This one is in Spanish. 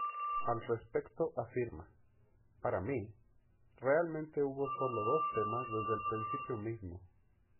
Al respecto afirma: "Para mí, realmente hubo sólo dos temas desde el principio mismo.